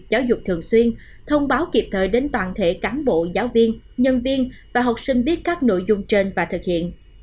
giáo dục thường xuyên thông báo kịp thời đến toàn thể cán bộ giáo viên nhân viên và học sinh biết các nội dung trên và thực hiện